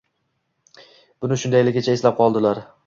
Buni shundayligingcha eslab qoldilar.